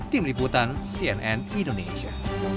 tim liputan cnn indonesia